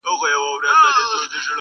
ورک له نورو ورک له ځانه-